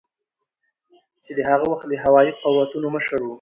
چې د هغه وخت د هوایي قوتونو مشر ؤ